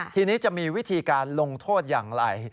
ทีนี้จะมีวิธีการลงโทษอย่างไร